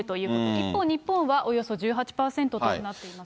一方日本はおよそ１８％となっています。